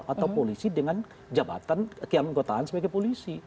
atau polisi dengan jabatan yang dianggap sebagai polisi